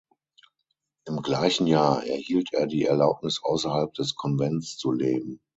Im gleichen Jahr erhielt er die Erlaubnis, außerhalb des Konvents zu leben.